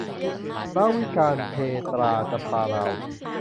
รวิกาญจน์เภตรา - จำปาลาว